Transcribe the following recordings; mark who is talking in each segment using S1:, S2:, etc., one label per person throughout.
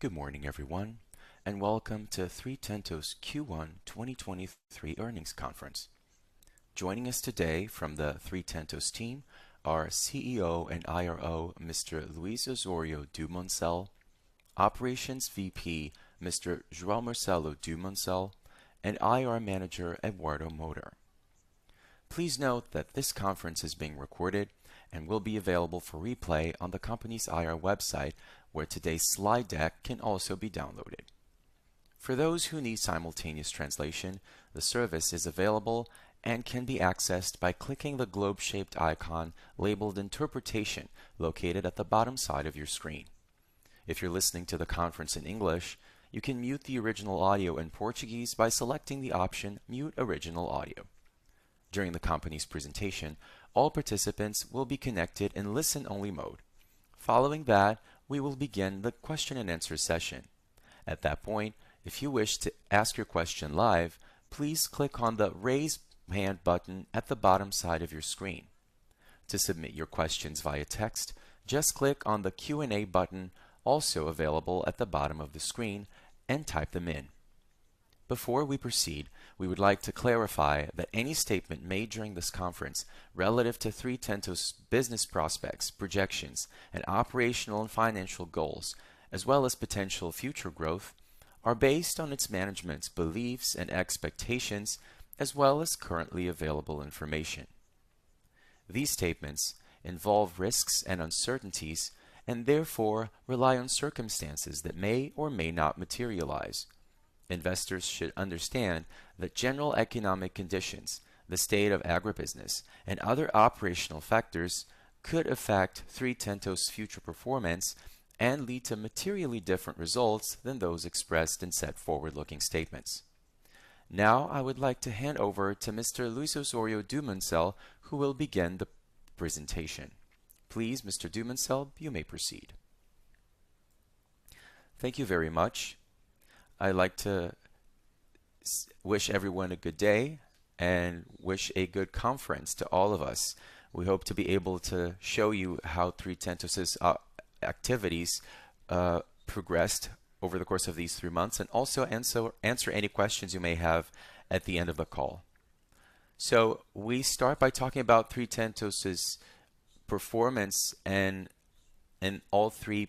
S1: Good morning, everyone, and welcome to Três Tentos' Q1 2023 earnings conference. Joining us today from the Três Tentos team are CEO and IRO, Mr. Luiz Osório Dumoncel, Operations VP, Mr. João Marcelo Dumoncel, and IR Manager, Eduardo Mota. Please note that this conference is being recorded and will be available for replay on the company's IR website, where today's slide deck can also be downloaded. For those who need simultaneous translation, the service is available and can be accessed by clicking the globe-shaped icon labeled Interpretation, located at the bottom side of your screen. If you're listening to the conference in English, you can mute the original audio in Portuguese by selecting the option Mute Original Audio. During the company's presentation, all participants will be connected in listen-only mode. Following that, we will begin the Q&A session. At that point, if you wish to ask your question live, please click on the Raise Hand button at the bottom side of your screen. To submit your questions via text, just click on the Q&A button also available at the bottom of the screen and type them in. Before we proceed, we would like to clarify that any statement made during this conference relative to Três Tentos' business prospects, projections, and operational and financial goals, as well as potential future growth, are based on its management's beliefs and expectations as well as currently available information. These statements involve risks and uncertainties and therefore rely on circumstances that may or may not materialize. Investors should understand that general economic conditions, the state of agribusiness, and other operational factors could affect Três Tentos' future performance and lead to materially different results than those expressed in said forward-looking statements. I would like to hand over to Mr. Luiz Osório Dumoncel, who will begin the presentation. Please, Mr. Dumoncel, you may proceed.
S2: Thank you very much. I'd like to wish everyone a good day and wish a good conference to all of us. We hope to be able to show you how Três Tentos' activities progressed over the course of these three months, and also answer any questions you may have at the end of the call. We start by talking about Três Tentos' performance in all three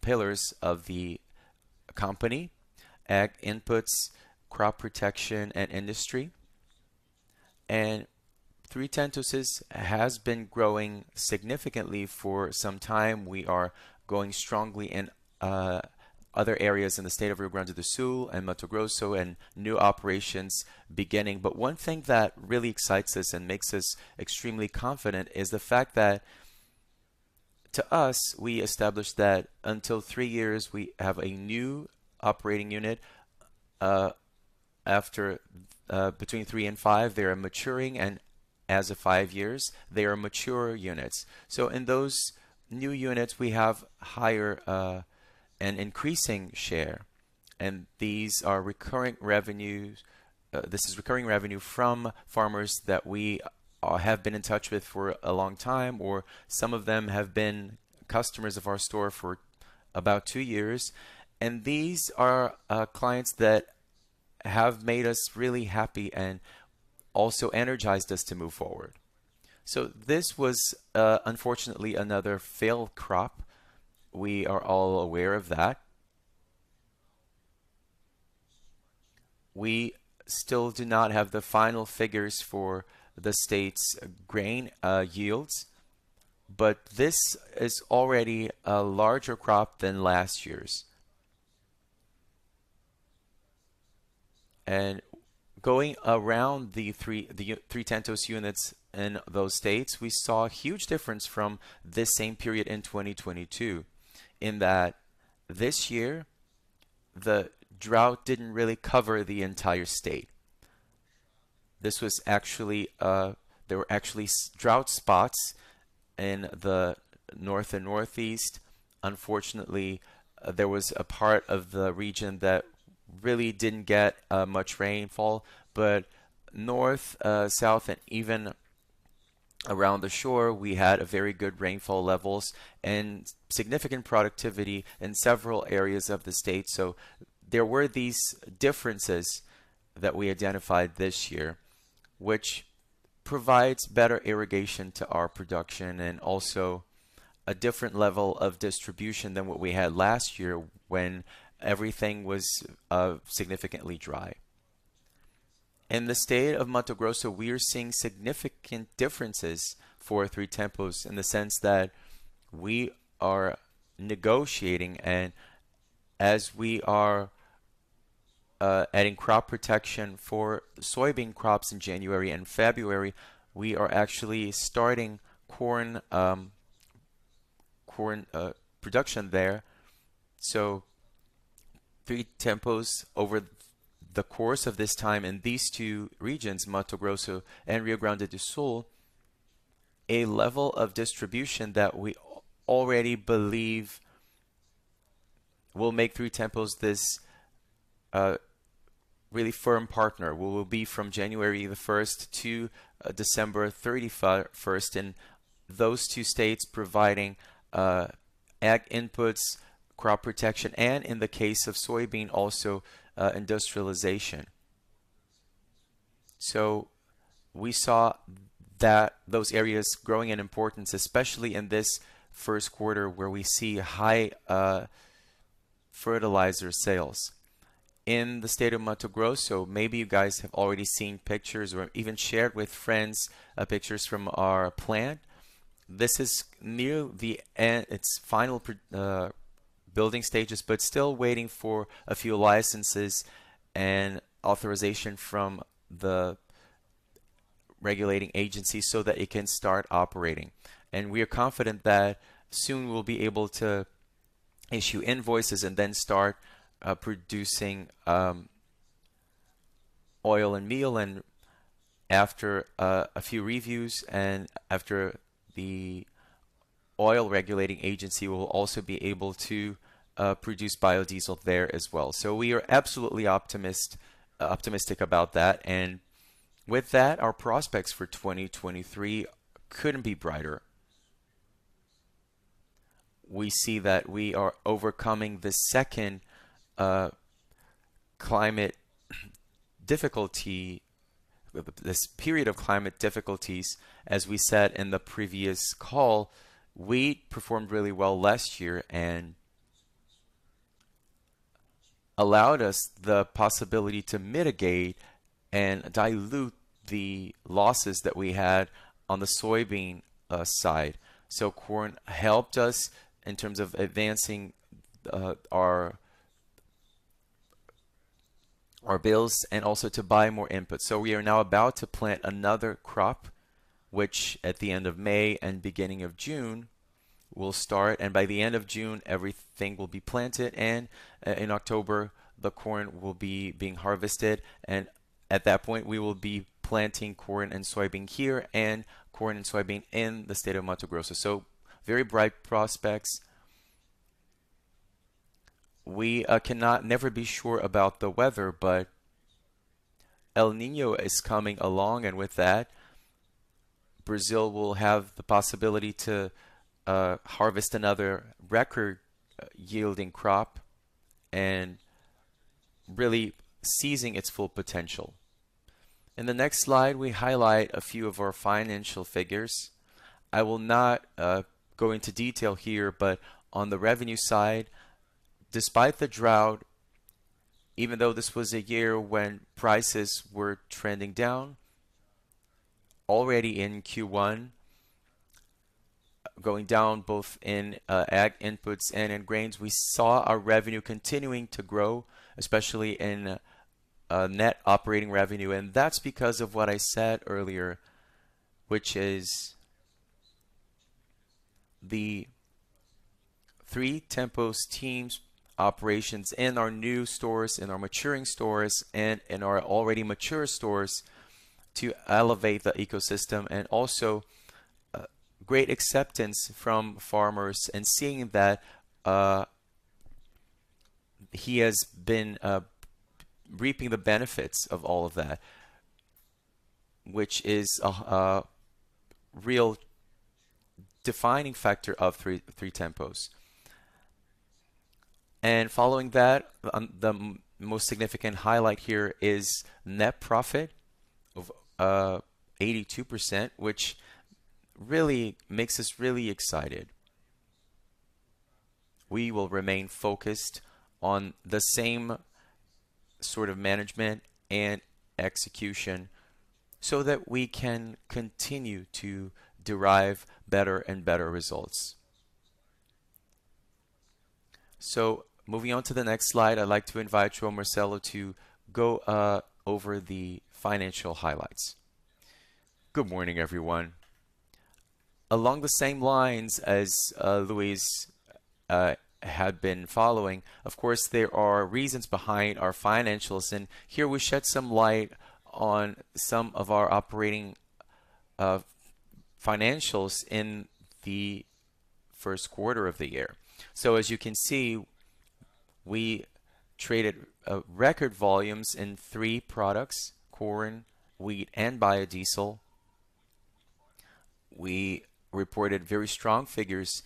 S2: pillars of the company, Ag Inputs, Crop Protection, and Industry. Três Tentos has been growing significantly for some time. We are growing strongly in other areas in the state of Rio Grande do Sul and Mato Grosso, and new operations beginning. One thing that really excites us and makes us extremely confident is the fact that to us, we established that until 3 years, we have a new operating unit. After between three and five, they are maturing, and as of five years, they are mature units. In those new units, we have higher and increasing share, and these are recurring revenues. This is recurring revenue from farmers that we have been in touch with for a long time, or some of them have been customers of our store for about two years. These are clients that have made us really happy and also energized us to move forward. This was unfortunately, another failed crop. We are all aware of that. We still do not have the final figures for the state's grain yields, but this is already a larger crop than last year's. Going around the Três Tentos units in those states, we saw a huge difference from this same period in 2022 in that this year, the drought didn't really cover the entire state. This was actually, there were actually drought spots in the north and northeast. Unfortunately, there was a part of the region that really didn't get much rainfall. North, south, and even around the shore, we had a very good rainfall levels and significant productivity in several areas of the state. There were these differences that we identified this year, which provides better irrigation to our production and also a different level of distribution than what we had last year when everything was significantly dry. In the state of Mato Grosso, we are seeing significant differences for Três Tentos in the sense that we are negotiating, and as we are adding Crop Protection for soybean crops in January and February, we are actually starting corn production there. Três Tentos over the course of this time in these two regions, Mato Grosso and Rio Grande do Sul, a level of distribution that we already believe will make Três Tentos this really firm partner. We will be from January the first to December thirty-first in those two states providing Ag Inputs, Crop Protection, and in the case of soybean also industrialization. We saw that those areas growing in importance, especially in this Q1 where we see high fertilizer sales. In the state of Mato Grosso, maybe you guys have already seen pictures or even shared with friends, pictures from our plant. This is near its final building stages, but still waiting for a few licenses and authorization from the regulating agency so that it can start operating. We are confident that soon we'll be able to issue invoices and then start producing oil and meal. After a few reviews and after the oil regulating agency, we'll also be able to produce biodiesel there as well. We are absolutely optimistic about that. With that, our prospects for 2023 couldn't be brighter. We see that we are overcoming the second climate difficulty, this period of climate difficulties, as we said in the previous call. Wheat performed really well last year and allowed us the possibility to mitigate and dilute the losses that we had on the soybean side. Corn helped us in terms of advancing our bills and also to buy more inputs. We are now about to plant another crop, which at the end of May and beginning of June will start, and by the end of June, everything will be planted, and in October, the corn will be being harvested. At that point, we will be planting corn and soybean here and corn and soybean in the state of Mato Grosso. Very bright prospects. We cannot never be sure about the weather, El Niño is coming along, and with that, Brazil will have the possibility to harvest another record yielding crop and really seizing its full potential. In the next slide, we highlight a few of our financial figures. I will not go into detail here, but on the revenue side, despite the drought, even though this was a year when prices were trending down, already in Q1, going down both in Ag Inputs and in Grains, we saw our revenue continuing to grow, especially in net operating revenue. That's because of what I said earlier, which is the Três Tentos teams operations in our new stores, in our maturing stores, and in our already mature stores to elevate the ecosystem and also great acceptance from farmers. Seeing that he has been reaping the benefits of all of that, which is a real defining factor of Três Tentos. Following that, the most significant highlight here is net profit of 82%, which really makes us really excited. We will remain focused on the same sort of management and execution so that we can continue to derive better and better results. Moving on to the next slide, I'd like to invite João Marcelo to go over the financial highlights.
S3: Good morning, everyone. Along the same lines as Luiz had been following, of course, there are reasons behind our financials, and here we shed some light on some of our operating financials in the Q1 of the year. As you can see, we traded record volumes in 3 products: corn, wheat, and biodiesel. We reported very strong figures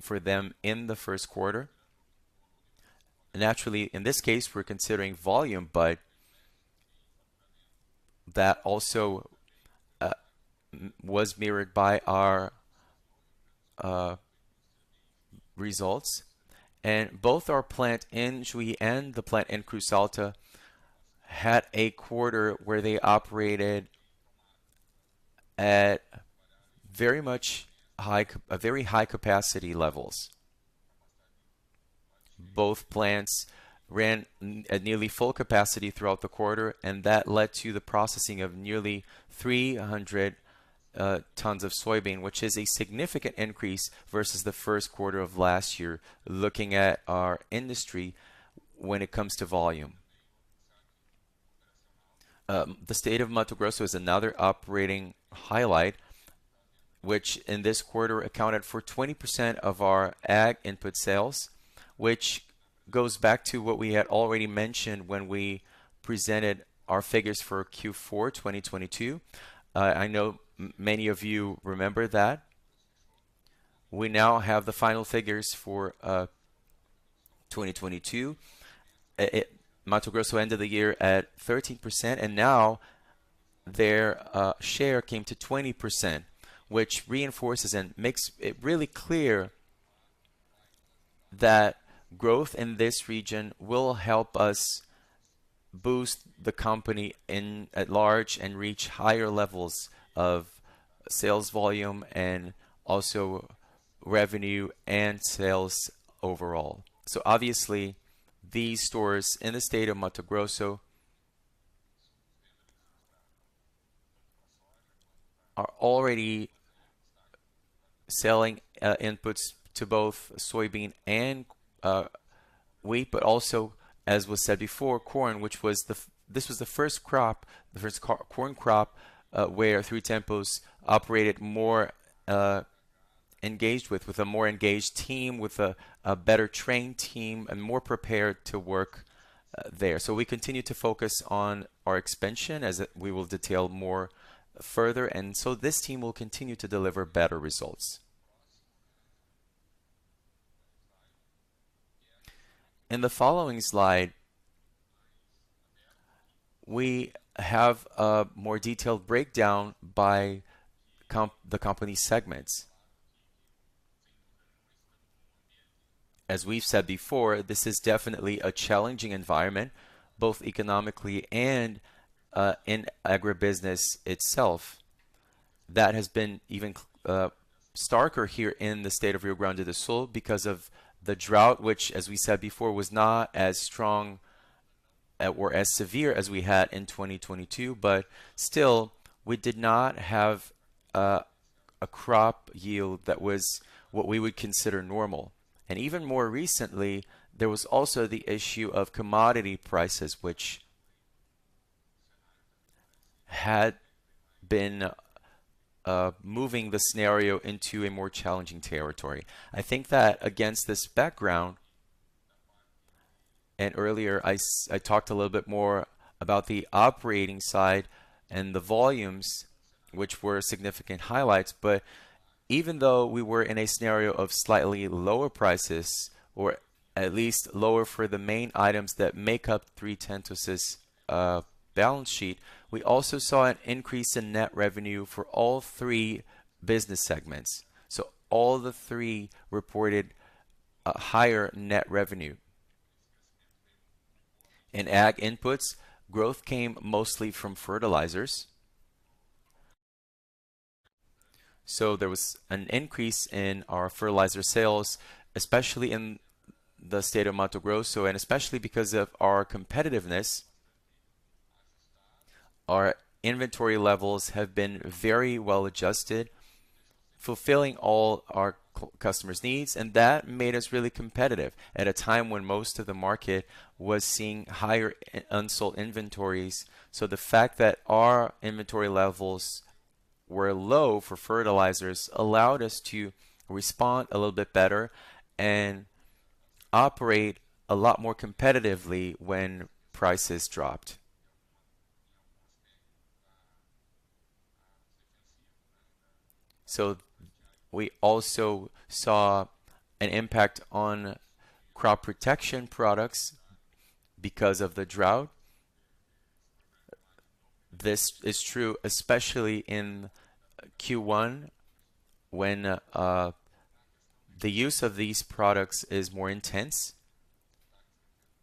S3: for them in the Q1. Naturally, in this case, we're considering volume, that also was mirrored by our results. Both our plant in Ijuí and the plant in Cruz Alta had a quarter where they operated at very much a very high capacity levels. Both plants ran at nearly full capacity throughout the quarter, that led to the processing of nearly 300 tons of soybean, which is a significant increase versus the Q1 of last year, looking at our Industry when it comes to volume. The state of Mato Grosso is another operating highlight. Which in this quarter accounted for 20% of our Ag Inputs sales, which goes back to what we had already mentioned when we presented our figures for Q4, 2022. I know many of you remember that. We now have the final figures for 2022. Mato Grosso ended the year at 13%, and now their share came to 20%, which reinforces and makes it really clear that growth in this region will help us boost the company in at large and reach higher levels of sales volume and also revenue and sales overall. Obviously these stores in the state of Mato Grosso are already selling inputs to both soybean and wheat, but also as was said before corn, which was the first crop, the first corn crop, where Três Tentos operated more engaged with. With a more engaged team, with a better trained team, and more prepared to work there. We continue to focus on our expansion as we will detail more further. This team will continue to deliver better results. In the following slide, we have a more detailed breakdown by the company segments. As we've said before, this is definitely a challenging environment, both economically and in agribusiness itself. That has been even starker here in the state of Rio Grande do Sul because of the drought, which as we said before, was not as strong at or as severe as we had in 2022. Still, we did not have a crop yield that was what we would consider normal. Even more recently, there was also the issue of commodity prices, which had been moving the scenario into a more challenging territory. Against this background, earlier I talked a little bit more about the operating side and the volumes which were significant highlights, even though we were in a scenario of slightly lower prices, or at least lower for the main items that make up Três Tentos' balance sheet, we also saw an increase in net revenue for all 3 business segments. All the three reported a higher net revenue. In Ag Inputs, growth came mostly from fertilizers. There was an increase in our fertilizer sales, especially in the state of Mato Grosso, and especially because of our competitiveness. Our inventory levels have been very well adjusted, fulfilling all our customers' needs, and that made us really competitive at a time when most of the market was seeing higher unsold inventories. The fact that our inventory levels were low for fertilizers allowed us to respond a little bit better and operate a lot more competitively when prices dropped. We also saw an impact on Crop Protection products because of the drought. This is true especially in Q1 when the use of these products is more intense.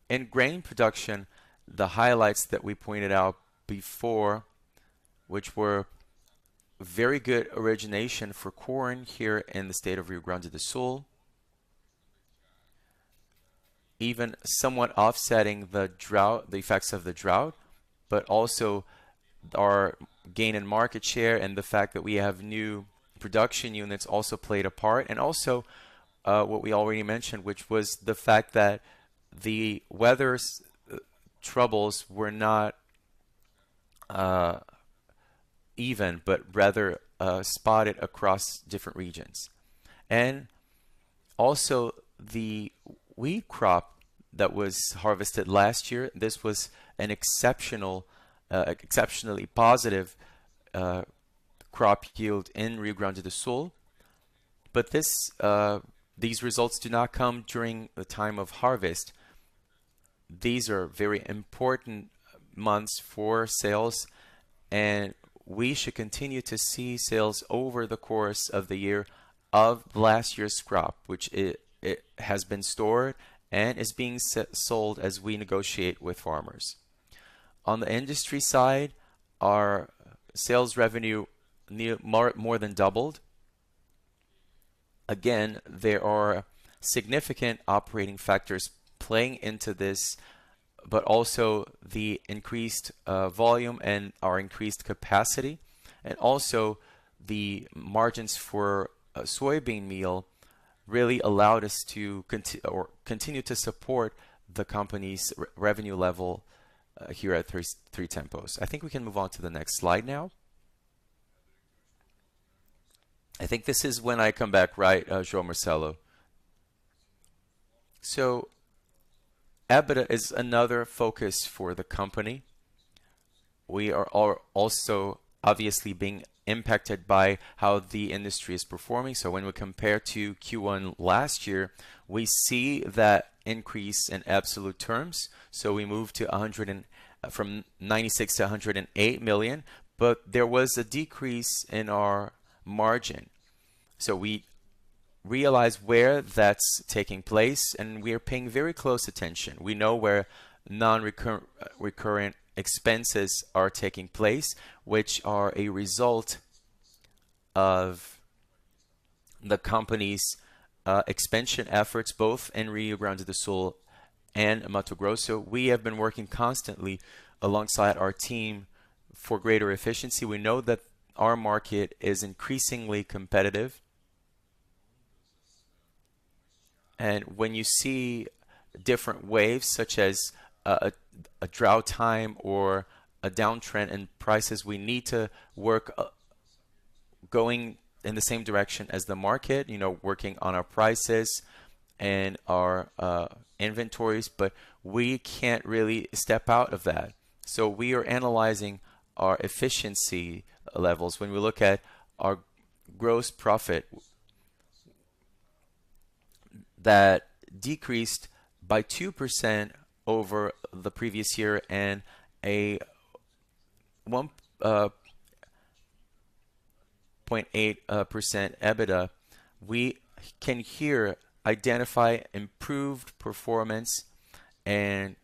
S3: In grain production, the highlights that we pointed out before, which were very good origination for corn here in the state of Rio Grande do Sul, even somewhat offsetting the drought, the effects of the drought, but also our gain in market share and the fact that we have new production units also played a part. Also, what we already mentioned, which was the fact that the weather troubles were not even, but rather spotted across different regions. Also the wheat crop that was harvested last year, this was an exceptional, exceptionally positive crop yield in Rio Grande do Sul. This, these results do not come during the time of harvest. These are very important months for sales, and we should continue to see sales over the course of the year of last year's crop, which it has been stored and is being sold as we negotiate with farmers. On the Industry side, our sales revenue more than doubled. Again, there are significant operating factors playing into this, but also the increased volume and our increased capacity, and also the margins for soybean meal. Really allowed us to continue to support the company's revenue level here at Três Tentos. I think we can move on to the next slide now.
S2: I think this is when I come back, right, João Marcelo. EBITDA is another focus for the company. We are also obviously being impacted by how the industry is performing. When we compare to Q1 last year, we see that increase in absolute terms. We moved from 96 million to 108 million. There was a decrease in our margin. We realize where that's taking place, and we are paying very close attention. We know where non-recurring expenses are taking place, which are a result of the company's expansion efforts, both in Rio Grande do Sul and Mato Grosso. We have been working constantly alongside our team for greater efficiency. We know that our market is increasingly competitive. When you see different waves, such as a drought time or a downtrend in prices, we need to work going in the same direction as the market, you know, working on our prices and our inventories, but we can't really step out of that. We are analyzing our efficiency levels. When we look at our gross profit that decreased by 2% over the previous year and a 1.8% EBITDA, we can here identify improved performance and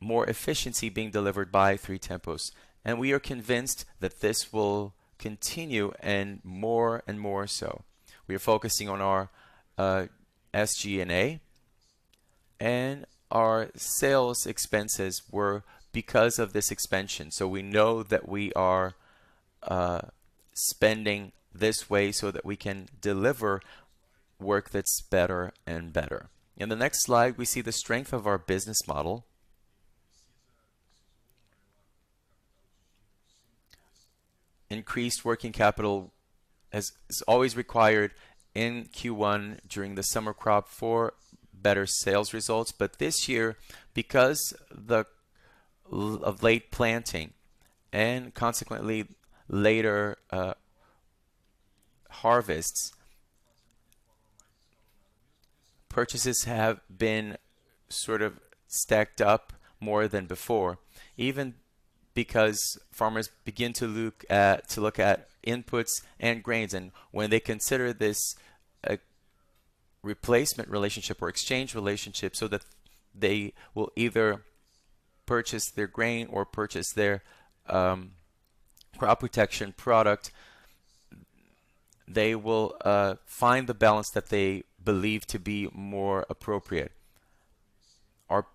S2: more efficiency being delivered by Três Tentos. We are convinced that this will continue and more and more so. We are focusing on our SG&A, and our sales expenses were because of this expansion. We know that we are spending this way so that we can deliver work that's better and better. In the next slide, we see the strength of our business model. Increased working capital is always required in Q1 during the summer crop for better sales results. This year, because of late planting and consequently later harvests, purchases have been sort of stacked up more than before. Even because farmers begin to look at Ag Inputs and Grains, and when they consider this replacement relationship or exchange relationship so that they will either purchase their grain or purchase their Crop Protection product, they will find the balance that they believe to be more appropriate. Our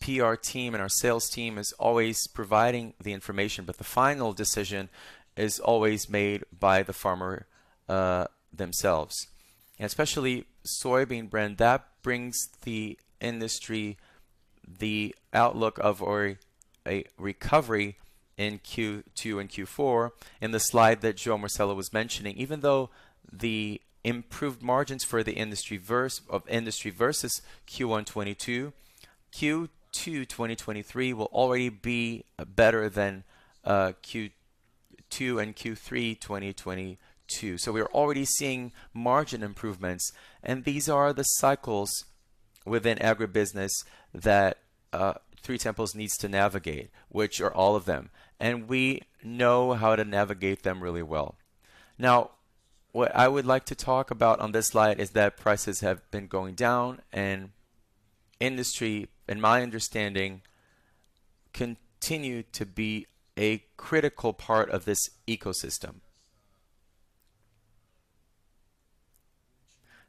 S2: PR team and our sales team is always providing the information, the final decision is always made by the farmer themselves. Especially soybean brand, that brings the Industry the outlook of, or a recovery in Q2 and Q4. In the slide that João Marcelo was mentioning, even though the improved margins of Industry versus Q1 2022, Q2 2023 will already be better than Q2 and Q3 2022. We are already seeing margin improvements. These are the cycles within agribusiness that Três Tentos needs to navigate, which are all of them. We know how to navigate them really well. What I would like to talk about on this slide is that prices have been going down and Industry, in my understanding, continue to be a critical part of this ecosystem.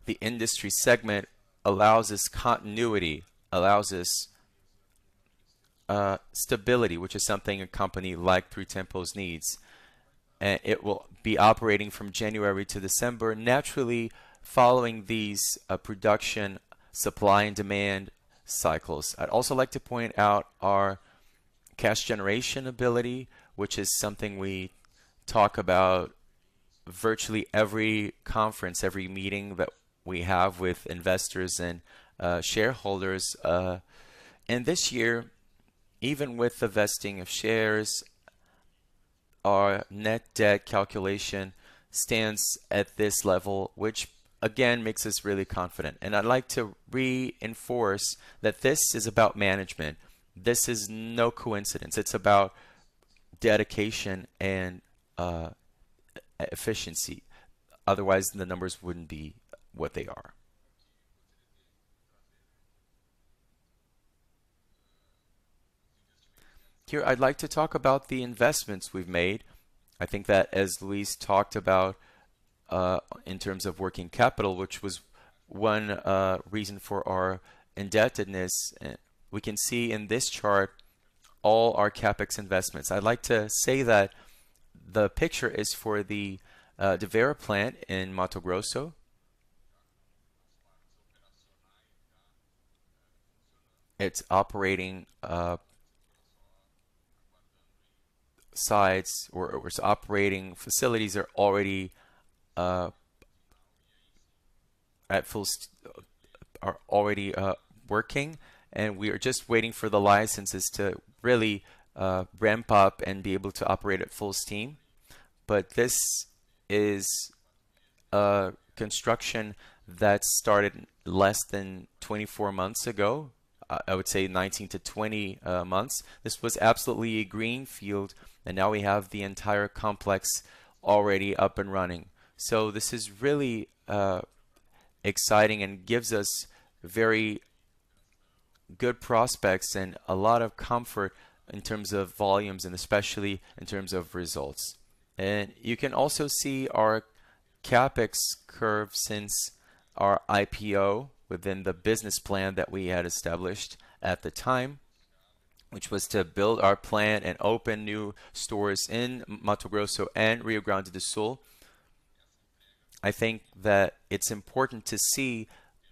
S2: The Industry segment allows us continuity, allows us stability, which is something a company like Três Tentos needs. It will be operating from January to December, naturally following these production supply and demand cycles. I'd also like to point out our cash generation ability, which is something we talk about virtually every conference, every meeting that we have with investors and shareholders. This year, even with the vesting of shares, our net debt calculation stands at this level, which again, makes us really confident. I'd like to reinforce that this is about management. This is no coincidence. It's about dedication and efficiency. Otherwise, the numbers wouldn't be what they are.
S3: Here, I'd like to talk about the investments we've made. I think that as Luiz talked about in terms of working capital, which was one reason for our indebtedness, we can see in this chart, all our CapEx investments. I'd like to say that the picture is for the Vera plant in Mato Grosso. Its operating sites or its operating facilities are already working, and we are just waiting for the licenses to really ramp up and be able to operate at full steam. This is a construction that started less than 24 months ago. I would say 19 to 20 months. This was absolutely a greenfield, and now we have the entire complex already up and running. This is really exciting and gives us very good prospects and a lot of comfort in terms of volumes and especially in terms of results. You can also see our CapEx curve since our IPO within the business plan that we had established at the time, which was to build our plant and open new stores in Mato Grosso and Rio Grande do Sul. I think that it's important to see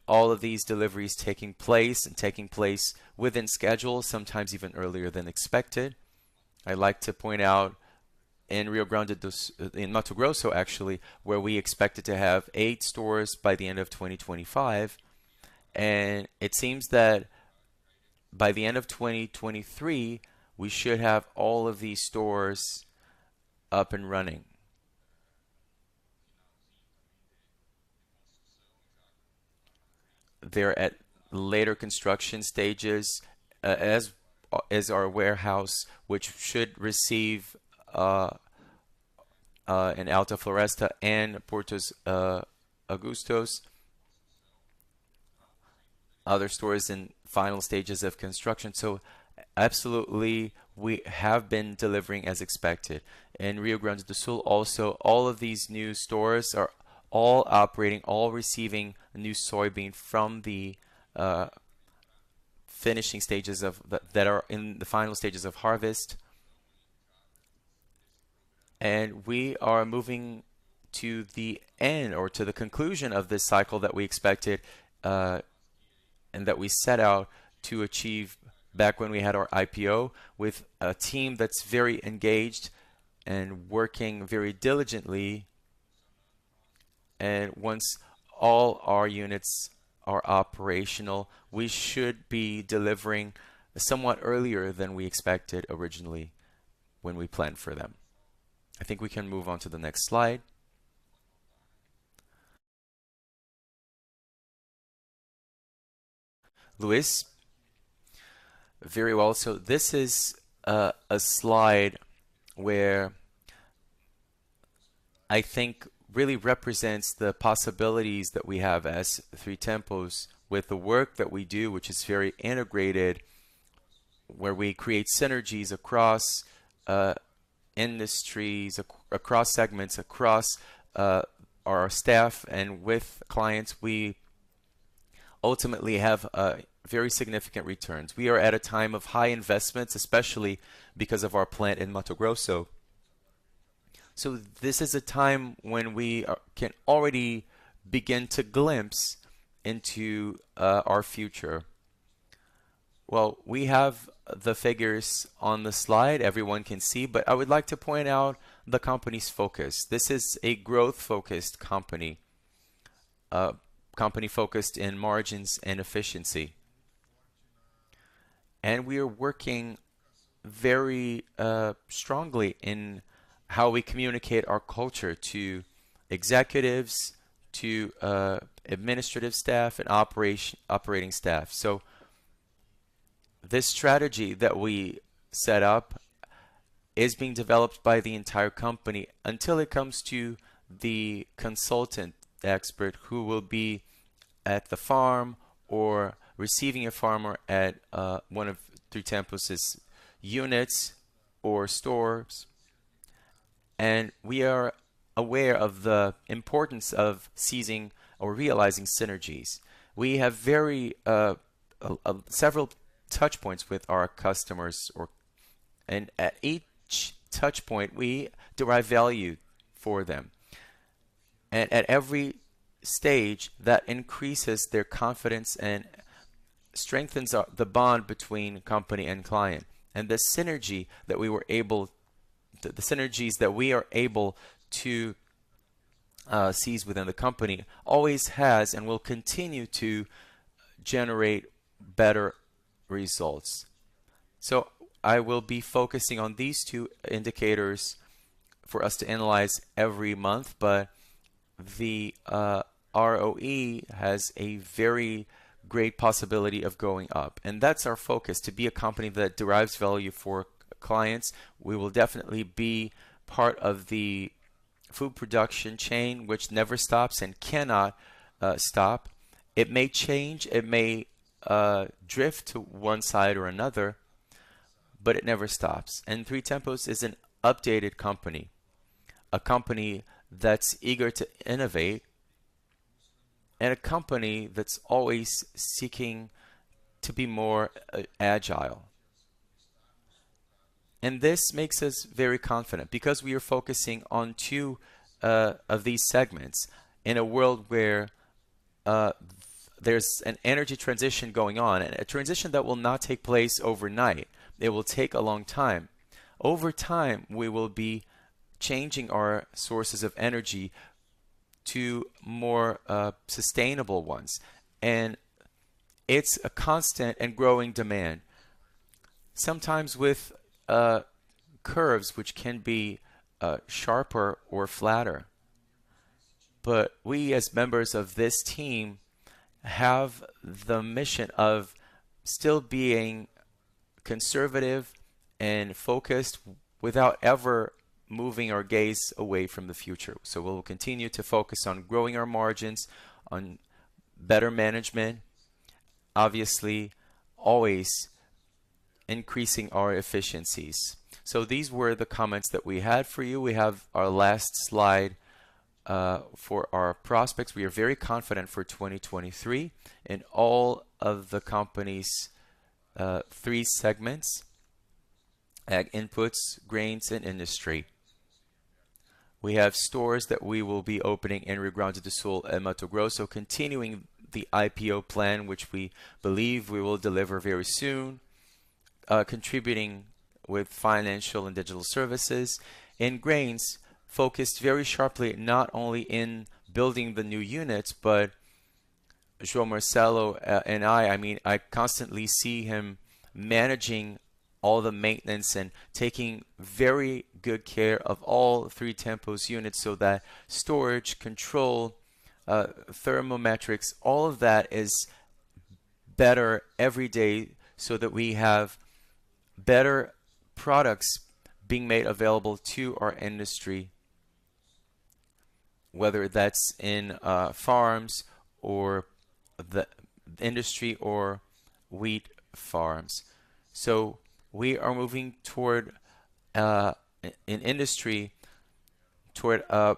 S3: all of these deliveries taking place and taking place within schedule, sometimes even earlier than expected. I like to point out in Mato Grosso, actually, where we expected to have eight stores by the end of 2025. It seems that by the end of 2023, we should have all of these stores up and running. They're at later construction stages, as our warehouse, which should receive, in Alta Floresta and Porto Alegre do Norte. Other stores in final stages of construction. Absolutely, we have been delivering as expected. In Rio Grande do Sul also, all of these new stores are all operating, all receiving new soybean from the finishing stages that are in the final stages of harvest. We are moving to the end or to the conclusion of this cycle that we expected and that we set out to achieve back when we had our IPO with a team that's very engaged and working very diligently. Once all our units are operational, we should be delivering somewhat earlier than we expected originally when we planned for them. I think we can move on to the next slide. Luiz.
S2: Very well. This is a slide where I think really represents the possibilities that we have as Três Tentos with the work that we do, which is very integrated, where we create synergies across industries, across segments, across our staff and with clients. We ultimately have very significant returns. We are at a time of high investments, especially because of our plant in Mato Grosso. This is a time when we can already begin to glimpse into our future. Well, we have the figures on the slide. Everyone can see, I would like to point out the company's focus. This is a growth-focused company. A company focused in margins and efficiency. We are working very strongly in how we communicate our culture to executives, to administrative staff and operating staff. This strategy that we set up is being developed by the entire company until it comes to the consultant expert who will be at the farm or receiving a farmer at one of Três Tentos' units or stores. We are aware of the importance of seizing or realizing synergies. We have very several touch points with our customers. At each touch point, we derive value for them. At every stage, that increases their confidence and strengthens the bond between company and client. The synergies that we are able to seize within the company always has and will continue to generate better results. I will be focusing on these two indicators for us to analyze every month, but the ROE has a very great possibility of going up, and that's our focus, to be a company that derives value for clients. We will definitely be part of the food production chain, which never stops and cannot stop. It may change, it may drift to one side or another, but it never stops. Três Tentos is an updated company, a company that's eager to innovate. A company that's always seeking to be more agile. This makes us very confident because we are focusing on two of these segments in a world where there's an energy transition going on, and a transition that will not take place overnight. It will take a long time. Over time, we will be changing our sources of energy to more sustainable ones, and it's a constant and growing demand, sometimes with curves which can be sharper or flatter. We, as members of this team, have the mission of still being conservative and focused without ever moving our gaze away from the future. We'll continue to focus on growing our margins, on better management, obviously, always increasing our efficiencies. These were the comments that we had for you. We have our last slide for our prospects. We are very confident for 2023 in all of the company's three segments: Ag Inputs, Grains, and Industry. We have stores that we will be opening in Rio Grande do Sul and Mato Grosso, continuing the IPO plan, which we believe we will deliver very soon, contributing with financial and digital services. In Grains, focused very sharply, not only in building the new units, but João Marcelo, I mean, I constantly see him managing all the maintenance and taking very good care of all Três Tentos units so that storage, control, thermometrics, all of that is better every day so that we have better products being made available to our industry, whether that's in farms or the industry or wheat farms. We are moving toward an industry toward an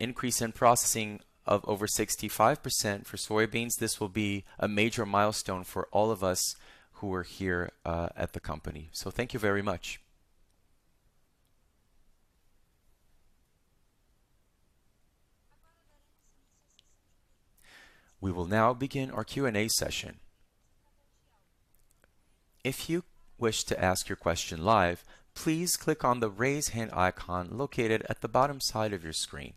S2: increase in processing of over 65% for soybeans. This will be a major milestone for all of us who are here at the company. Thank you very much.
S1: We will now begin our Q&A session. If you wish to ask your question live, please click on the Raise Hand icon located at the bottom side of your screen.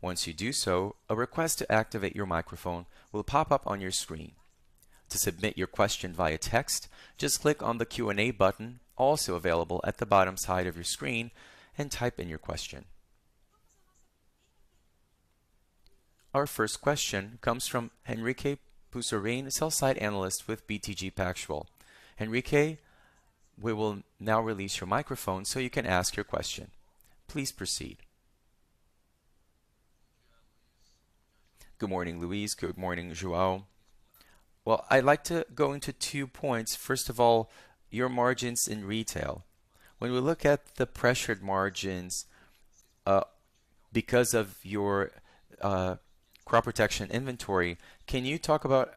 S1: Once you do so, a request to activate your microphone will pop up on your screen. To submit your question via text, just click on the Q&A button also available at the bottom side of your screen and type in your question. Our first question comes from Henrique Brustolin, a sell-side analyst with BTG Pactual. Henrique, we will now release your microphone so you can ask your question. Please proceed.
S4: Good morning, Luis. Good morning, João. Well, I'd like to go into two points. First of all, your margins in retail. When we look at the pressured margins, because of your Crop Protection inventory, can you talk about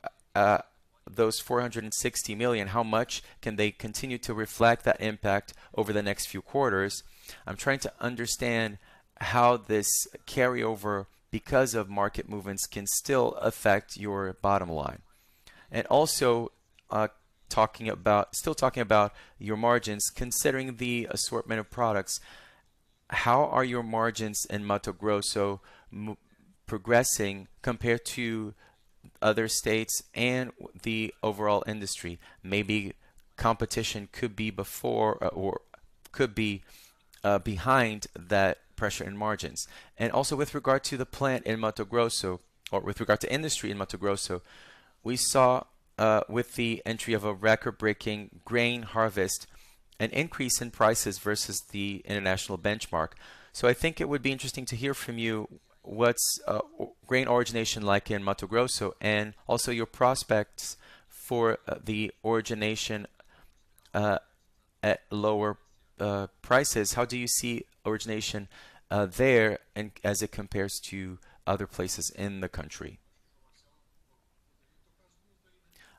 S4: those 460 million? How much can they continue to reflect that impact over the next few quarters? I'm trying to understand how this carryover, because of market movements, can still affect your bottom line. Also, still talking about your margins, considering the assortment of products, how are your margins in Mato Grosso progressing compared to other states and the overall industry? Maybe competition could be before or could be behind that pressure in margins. Also with regard to the plant in Mato Grosso or with regard to industry in Mato Grosso, we saw with the entry of a record-breaking grain harvest, an increase in prices versus the international benchmark. I think it would be interesting to hear from you what's grain origination like in Mato Grosso and also your prospects for the origination at lower prices. How do you see origination there and as it compares to other places in the country?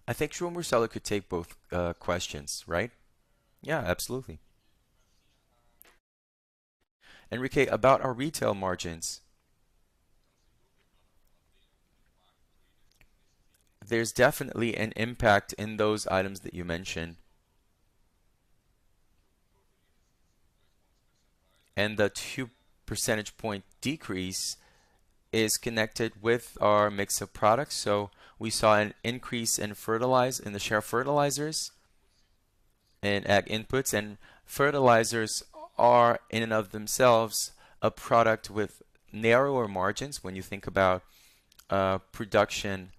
S4: I think João Marcelo could take both questions, right?
S3: Absolutely. Henrique, about our retail margins. There's definitely an impact in those items that you mentioned. The 2 percentage point decrease is connected with our mix of products. We saw an increase in the share of fertilizers and Ag Inputs. Fertilizers are in and of themselves a product with narrower margins when you think about production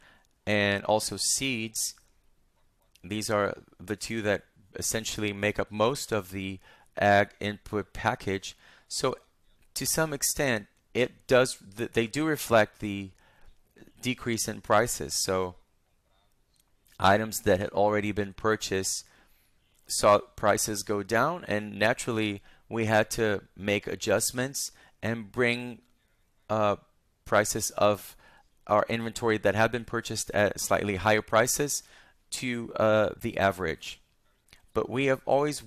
S3: and also seeds. These are the two that essentially make up most of the Ag Input package. To some extent, they do reflect the decrease in prices. Items that had already been purchased saw prices go down, and naturally, we had to make adjustments and bring prices of our inventory that had been purchased at slightly higher prices to the average. We have always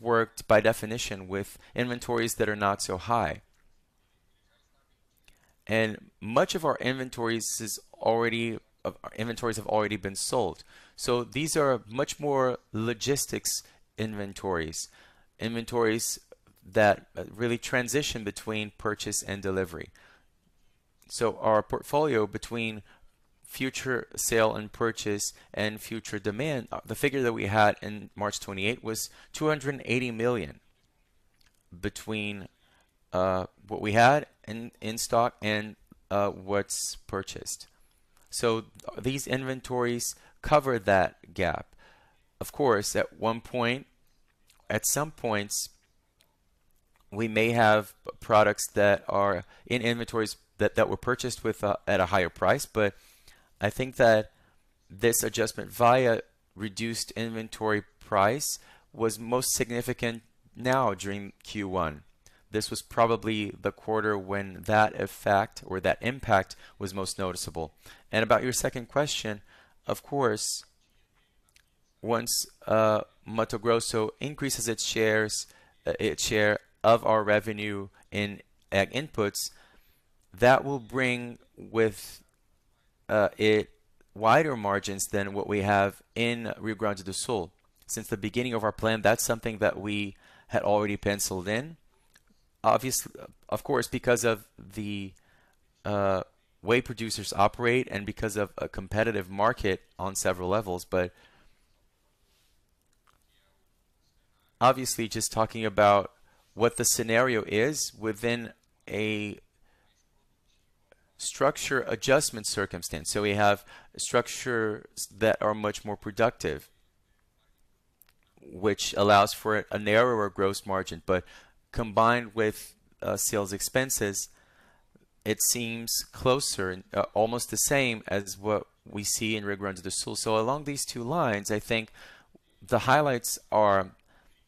S3: worked by definition with inventories that are not so high. Much of our inventories have already been sold. These are much more logistics inventories that really transition between purchase and delivery. Our portfolio between future sale and purchase and future demand, the figure that we had in March 28 was 280 million between what we had in stock and what's purchased. These inventories cover that gap. Of course, at some points, we may have products that are in inventories that were purchased at a higher price. I think that this adjustment via reduced inventory price was most significant now during Q1. This was probably the quarter when that effect or that impact was most noticeable. About your second question, of course, once Mato Grosso increases its share of our revenue in Ag Inputs, that will bring with it wider margins than what we have in Rio Grande do Sul. Since the beginning of our plan, that's something that we had already penciled in. Of course, because of the way producers operate and because of a competitive market on several levels. Obviously, just talking about what the scenario is within a structure adjustment circumstance. We have structures that are much more productive, which allows for a narrower gross margin. Combined with sales expenses, it seems closer, almost the same as what we see in Rio Grande do Sul. Along these two lines, I think the highlights are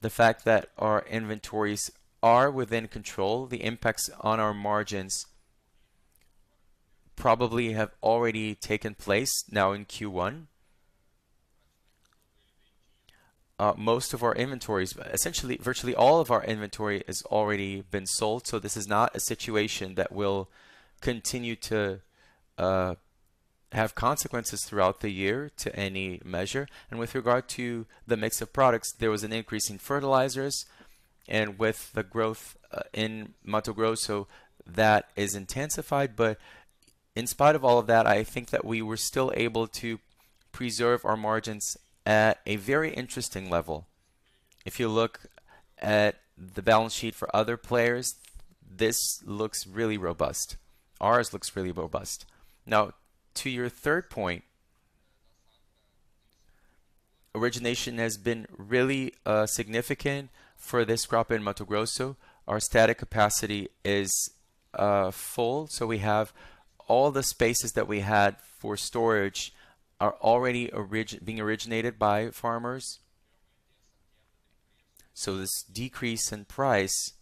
S3: the fact that our inventories are within control. The impacts on our margins probably have already taken place now in Q1. Most of our inventories, essentially, virtually all of our inventory has already been sold, so this is not a situation that will continue to have consequences throughout the year to any measure. With regard to the mix of products, there was an increase in fertilizers. With the growth in Mato Grosso, that is intensified. In spite of all of that, I think that we were still able to preserve our margins at a very interesting level. If you look at the balance sheet for other players, this looks really robust. Ours looks really robust. To your third point, origination has been really significant for this crop in Mato Grosso. Our static capacity is full, so we have all the spaces that we had for storage are already being originated by farmers. This decrease in price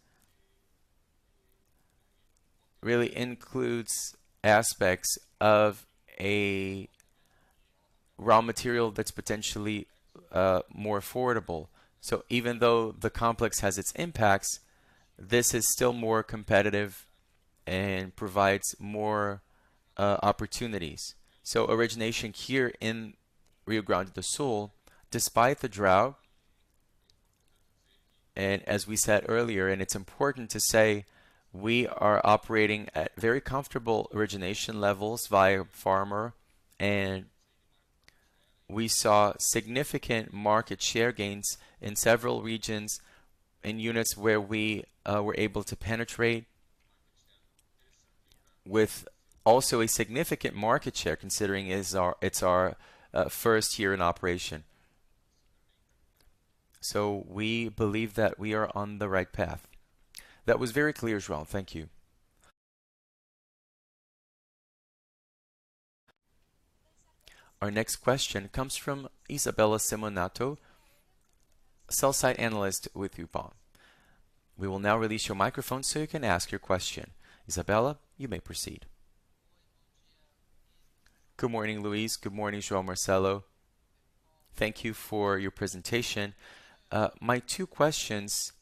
S3: really includes aspects of a raw material that's potentially more affordable. Even though the complex has its impacts, this is still more competitive and provides more opportunities. Origination here in Rio Grande do Sul, despite the drought, and as we said earlier, and it's important to say we are operating at very comfortable origination levels via farmer, and we saw significant market share gains in several regions and units where we were able to penetrate with also a significant market share considering it's our 1st year in operation. We believe that we are on the right path.
S4: That was very clear, João. Thank you.
S1: Our next question comes from Isabella Simonato, sell-side analyst with UBS. We will now release your microphone so you can ask your question. Isabella, you may proceed.
S5: Good morning, Luiz. Good morning, João Marcelo. Thank you for your presentation. My two questions.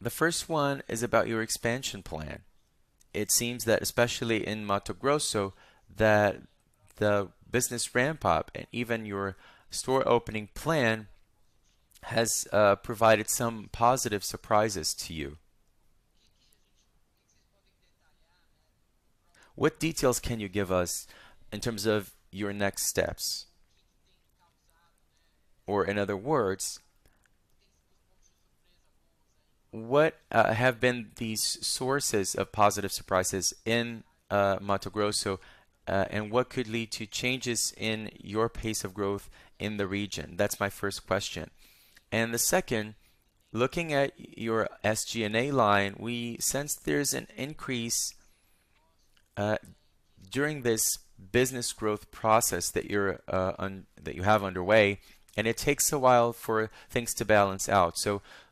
S5: The 1st one is about your expansion plan. It seems that especially in Mato Grosso, that the business ramp-up and even your store opening plan has provided some positive surprises to you? What details can you give us in terms of your next steps? Or in other words, what have been these sources of positive surprises in Mato Grosso, and what could lead to changes in your pace of growth in the region? That's my first question. The second, looking at your SG&A line, we sense there's an increase during this business growth process that you have underway, and it takes a while for things to balance out,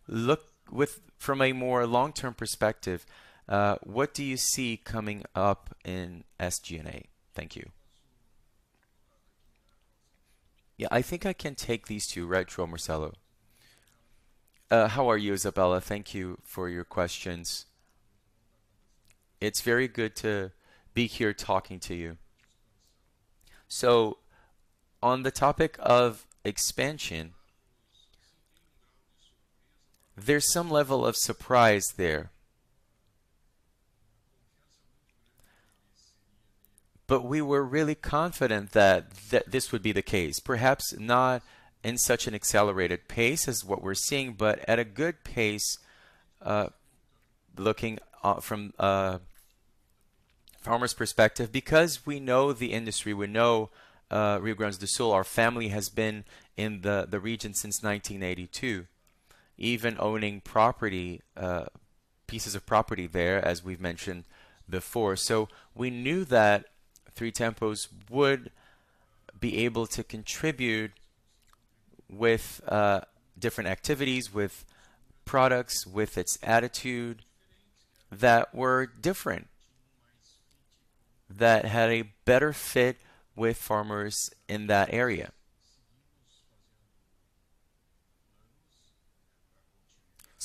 S5: look with from a more long-term perspective, what do you see coming up in SG&A? Thank you.
S2: Yeah, I think I can take these two. Right, João Marcelo. How are you, Isabella? Thank you for your questions. It's very good to be here talking to you. On the topic of expansion, there's some level of surprise there. We were really confident that this would be the case. Perhaps not in such an accelerated pace as what we're seeing, but at a good pace, looking from a farmer's perspective, because we know the industry, we know Ribeirão Preto do Sul. Our family has been in the region since 1982, even owning property, pieces of property there, as we've mentioned before. We knew that Três Tentos would be able to contribute with different activities, with products, with its attitude that were different, that had a better fit with farmers in that area.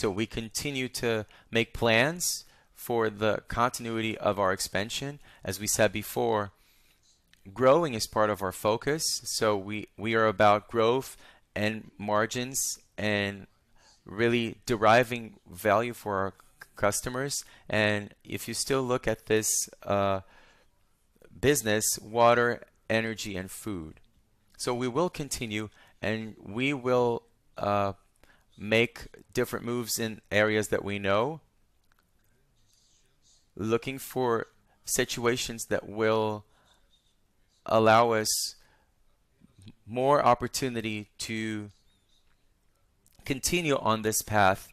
S2: We continue to make plans for the continuity of our expansion. As we said before, growing is part of our focus, so we are about growth and margins and really deriving value for our customers. If you still look at this business: water, energy and food. We will continue, and we will make different moves in areas that we know, looking for situations that will allow us more opportunity to continue on this path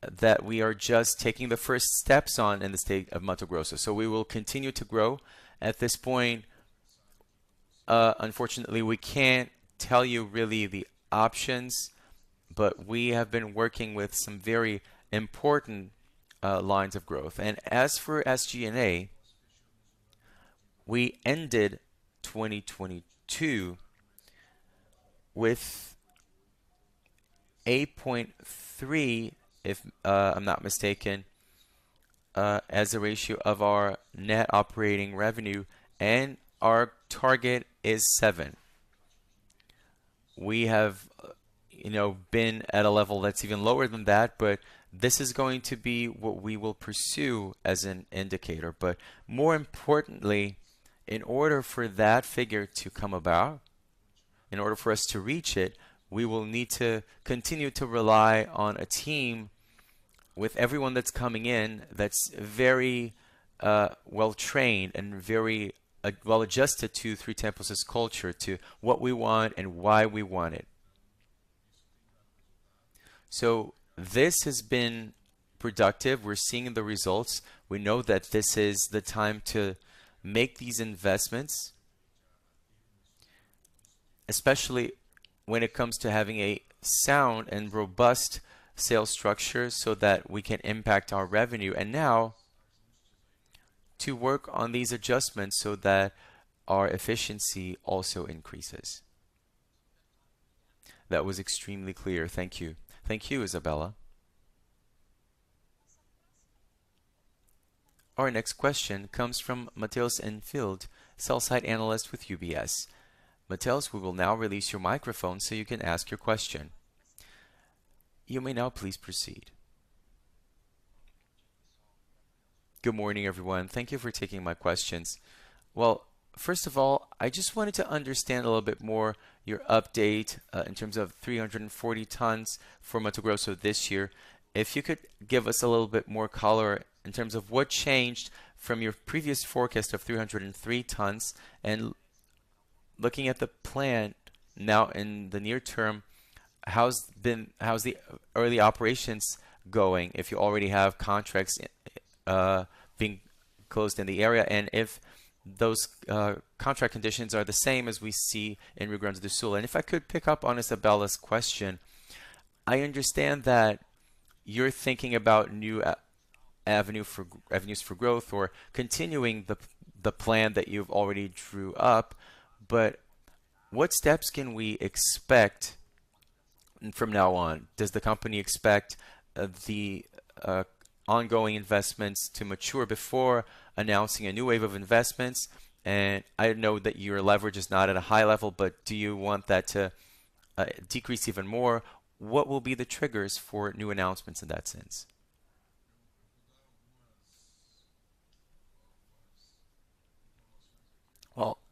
S2: that we are just taking the first steps on in the state of Mato Grosso. We will continue to grow. At this point, unfortunately, we can't tell you really the options, but we have been working with some very important lines of growth. As for SG&A, we ended 2022 with 8.3%, if I'm not mistaken, as a ratio of our net operating revenue, and our target is 7%. We have, you know, been at a level that's even lower than that. This is going to be what we will pursue as an indicator. More importantly, in order for that figure to come about, in order for us to reach it, we will need to continue to rely on a team with everyone that's coming in that's very, well trained and very, well adjusted to Três Tentos' culture, to what we want and why we want it. This has been productive. We're seeing the results. We know that this is the time to make these investments, especially when it comes to having a sound and robust sales structure so that we can impact our revenue and now to work on these adjustments so that our efficiency also increases.
S5: That was extremely clear. Thank you.
S2: Thank you, Isabella.
S1: Our next question comes from Mateus Shimasaki, sell-side analyst with UBS. Mateus, we will now release your microphone so you can ask your question. You may now please proceed.
S6: Good morning, everyone. Thank you for taking my questions. Well, first of all, I just wanted to understand a little bit more your update in terms of 340 tons for Mato Grosso this year. If you could give us a little bit more color in terms of what changed from your previous forecast of 303 tons. Looking at the plan now in the near term, How's the early operations going, if you already have contracts being closed in the area? If those contract conditions are the same as we see in Rio Grande do Sul. If I could pick up on Isabella's question, I understand that you're thinking about new avenues for growth or continuing the plan that you've already drew up, but what steps can we expect from now on? Does the company expect the ongoing investments to mature before announcing a new wave of investments? I know that your leverage is not at a high level, but do you want that to decrease even more? What will be the triggers for new announcements in that sense?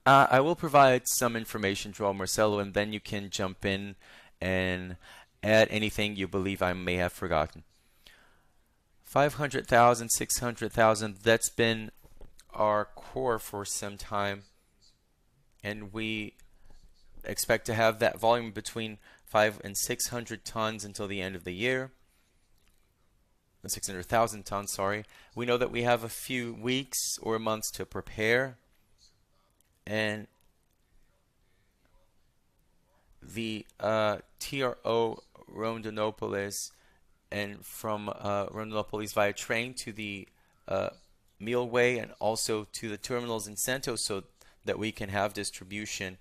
S2: I will provide some information, João Marcelo, and then you can jump in and add anything you believe I may have forgotten. 500,000, 600,000, that's been our core for some time, and we expect to have that volume between 500 and 600 tons until the end of the year. The 600,000 tons, sorry. We know that we have a few weeks or months to prepare. The TRO Rondonópolis and from Rondonópolis via train to the meal way and also to the terminals in Santos, so that we can have distribution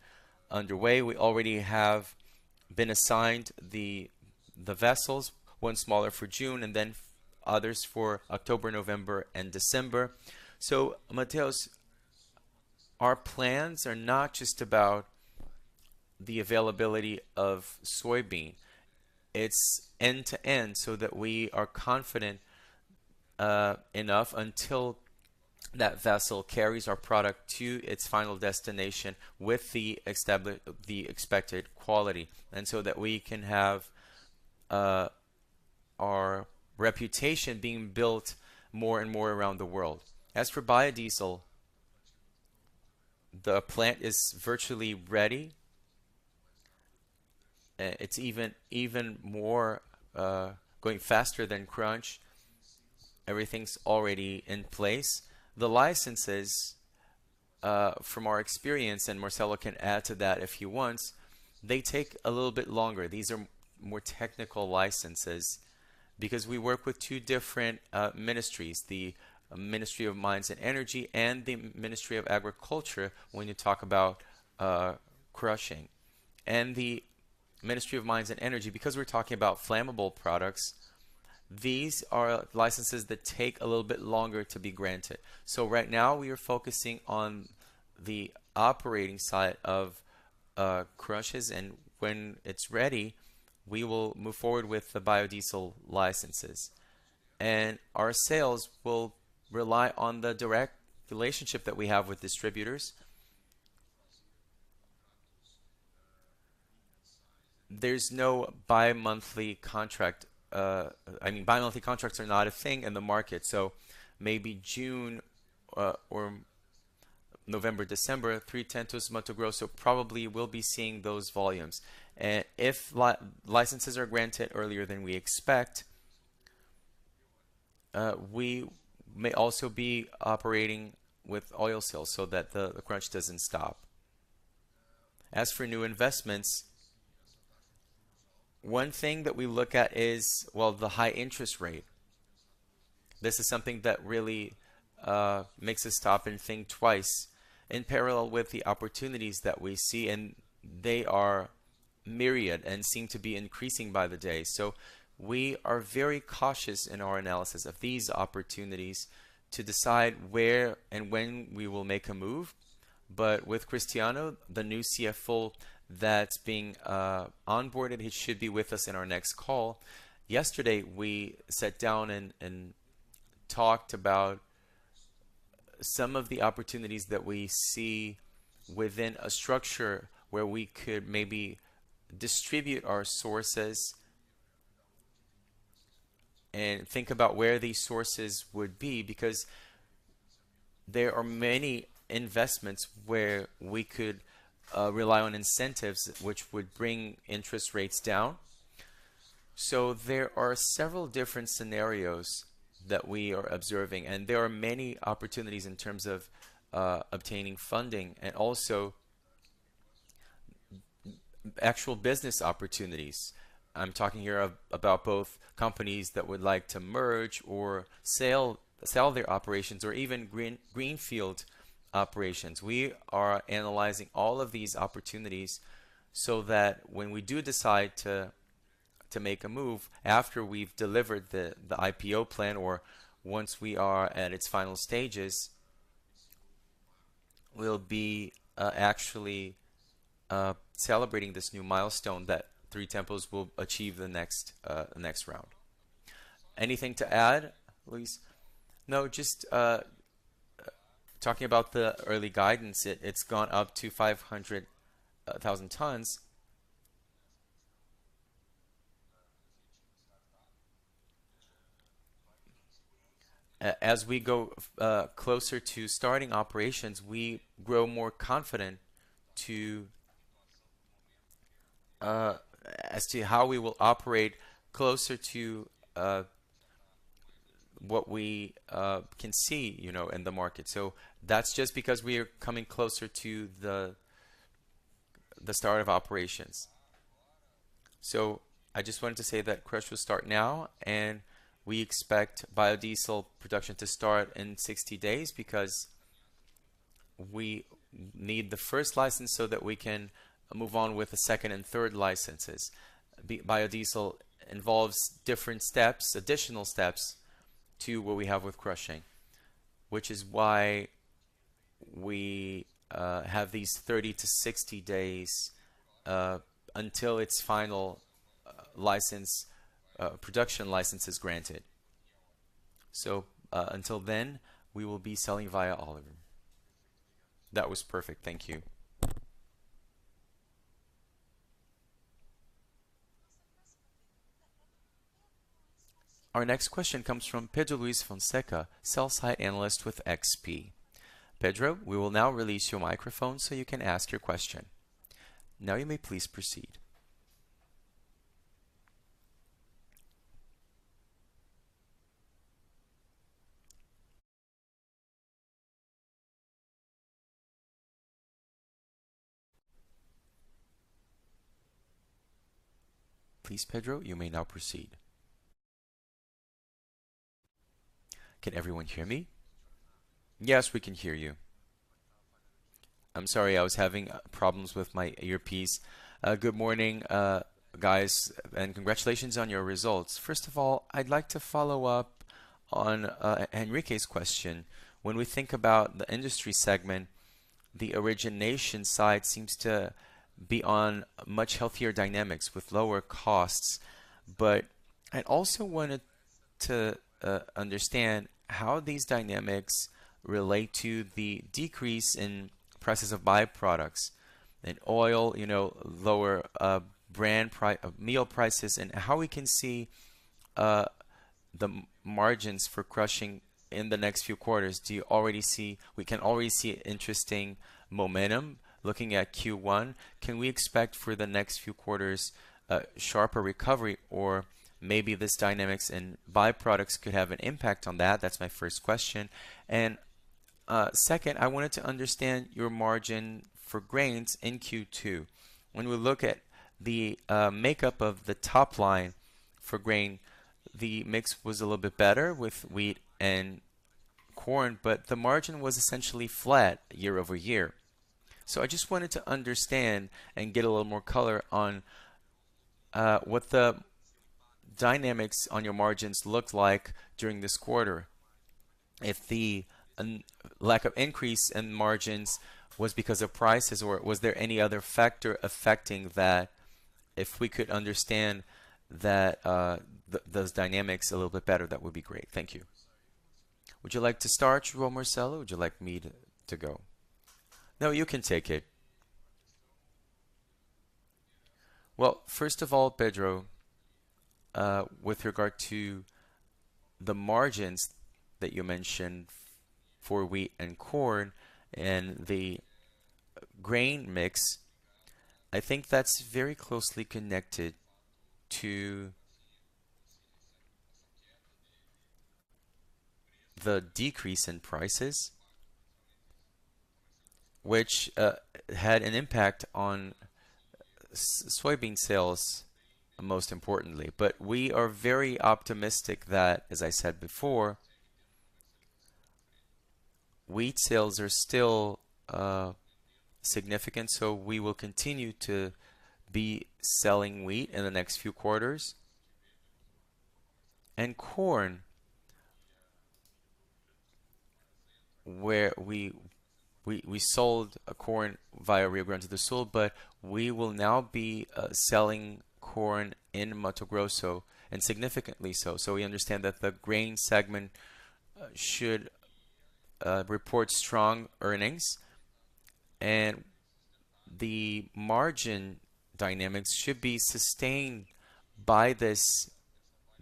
S2: underway. We already have been assigned the vessels, one smaller for June and then others for October, November, and December.
S7: Mateus, our plans are not just about the availability of soybean. It's end-to-end so that we are confident enough until that vessel carries our product to its final destination with the expected quality, that we can have our reputation being built more and more around the world. As for biodiesel, the plant is virtually ready. It's even more going faster than crunch. Everything's already in place. The licenses, from our experience, Marcelo can add to that if he wants, they take a little bit longer. These are more technical licenses because we work with two different ministries, the Ministry of Mines and Energy and the Ministry of Agriculture when you talk about crushing. The Ministry of Mines and Energy, because we're talking about flammable products, these are licenses that take a little bit longer to be granted.
S3: Right now, we are focusing on the operating side of crushes, and when it's ready, we will move forward with the biodiesel licenses. Our sales will rely on the direct relationship that we have with distributors. There's no bi-monthly contract. I mean, bi-monthly contracts are not a thing in the market. Maybe June, or November, December, Três Tentos, Mato Grosso probably will be seeing those volumes. If licenses are granted earlier than we expect, we may also be operating with oil sales so that the crunch doesn't stop. As for new investments, one thing that we look at is, well, the high interest rate. This is something that really makes us stop and think twice in parallel with the opportunities that we see, and they are myriad and seem to be increasing by the day. We are very cautious in our analysis of these opportunities to decide where and when we will make a move. With Cristiano, the new CFO that's being onboarded, he should be with us in our next call. Yesterday, we sat down and talked about some of the opportunities that we see within a structure where we could maybe distribute our sources and think about where these sources would be because there are many investments where we could rely on incentives which would bring interest rates down. There are several different scenarios that we are observing, and there are many opportunities in terms of obtaining funding and also actual business opportunities. I'm talking here about both companies that would like to merge or sell their operations or even greenfield operations. We are analyzing all of these opportunities so that when we do decide to make a move after we've delivered the IPO plan or once we are at its final stages, we'll be actually celebrating this new milestone that Três Tentos will achieve the next round. Anything to add, Luiz?
S2: No, just talking about the early guidance, it's gone up to 500,000 tons. As we go closer to starting operations, we grow more confident as to how we will operate closer to what we can see, you know, in the market. That's just because we are coming closer to the start of operations. I just wanted to say that crush will start now, and we expect biodiesel production to start in 60 days because we need the first license so that we can move on with the second and third licenses. biodiesel involves different steps, additional steps to what we have with crushing, which is why we have these 30 to 60 days until its final license production license is granted. Until then, we will be selling via oil.
S6: That was perfect. Thank you.
S1: Our next question comes from Pedro Luis Fonseca, sell-side analyst with XP. Pedro, we will now release your microphone so you can ask your question Now you may please proceed. Please, Pedro, you may now proceed.
S8: Can everyone hear me? Yes, we can hear you. I'm sorry, I was having problems with my earpiece. Good morning, guys, and congratulations on your results. First of all, I'd like to follow up on Henrique's question. When we think about the Industry segment, the origination side seems to be on much healthier dynamics with lower costs. I also wanted to understand how these dynamics relate to the decrease in prices of by-products and oil, you know, lower meal prices, and how we can see the margins for crushing in the next few quarters. Do you already see? We can already see interesting momentum looking at Q1. Can we expect for the next few quarters a sharper recovery? Or maybe these dynamics and by-products could have an impact on that? That's my first question. Second, I wanted to understand your margin for Grains in Q2. When we look at the makeup of the top line for grain, the mix was a little bit better with wheat and corn, but the margin was essentially flat year-over-year. I just wanted to understand and get a little more color on what the dynamics on your margins looked like during this quarter. If the lack of increase in margins was because of prices, or was there any other factor affecting that? If we could understand that those dynamics a little bit better, that would be great. Thank you.
S2: Would you like to start, João Marcelo? Would you like me to go?
S3: No, you can take it.
S2: Well, first of all, Pedro, with regard to the margins that you mentioned for wheat and corn and the grain mix, I think that's very closely connected to the decrease in prices, which had an impact on soybean sales most importantly. We are very optimistic that, as I said before, wheat sales are still significant, so we will continue to be selling wheat in the next few quarters. Corn, where we sold corn via Rio Grande do Sul, but we will now be selling corn in Mato Grosso, and significantly so. We understand that the grain segment should report strong earnings, and the margin dynamics should be sustained by this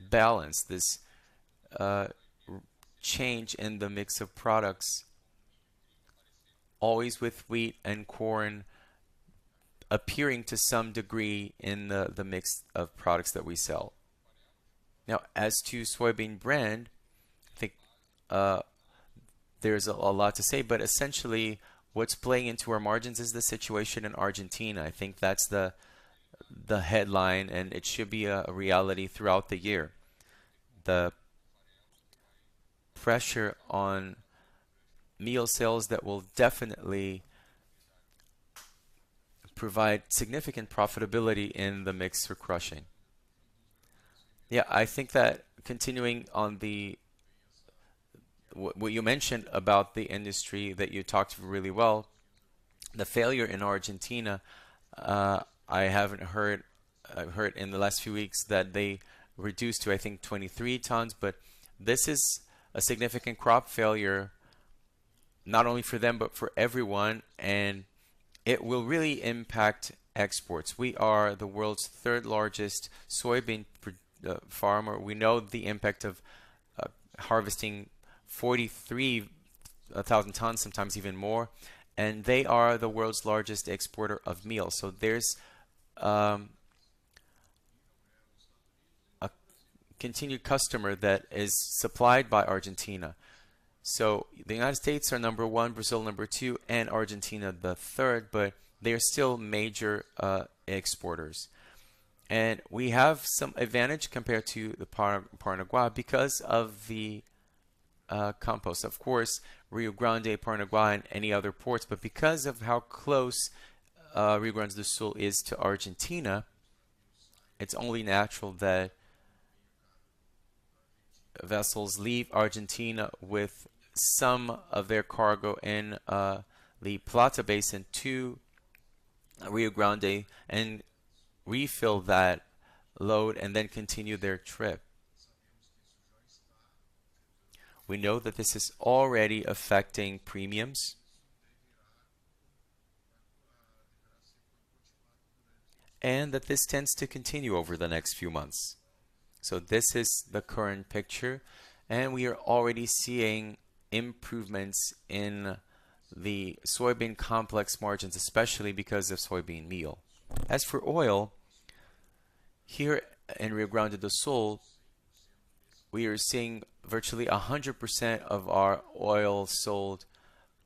S2: balance, this change in the mix of products, always with wheat and corn appearing to some degree in the mix of products that we sell. As to soybean brand, I think there's a lot to say, but essentially what's playing into our margins is the situation in Argentina. I think that's the headline, and it should be a reality throughout the year. The pressure on meal sales that will definitely provide significant profitability in the mix for crushing. I think that continuing on the what you mentioned about the industry that you talked really well, the failure in Argentina, I've heard in the last few weeks that they reduced to, I think, 23 tons. This is a significant crop failure not only for them, but for everyone, and it will really impact exports. We are the world's third-largest soybean farmer. We know the impact of harvesting 43,000 tons, sometimes even more, and they are the world's largest exporter of meal. There's a continued customer that is supplied by Argentina. The United States are number one, Brazil number two, and Argentina the third, but they are still major exporters. We have some advantage compared to Paraguay because of the compost. Of course, Rio Grande, Paraguay, and any other ports, but because of how close Rio Grande do Sul is to Argentina, it's only natural that vessels leave Argentina with some of their cargo in the Plata Basin to Rio Grande and refill that load and then continue their trip. We know that this is already affecting premiums. That this tends to continue over the next few months. This is the current picture, and we are already seeing improvements in the soybean complex margins, especially because of soybean meal. As for oil, here in Rio Grande do Sul, we are seeing virtually 100% of our oil sold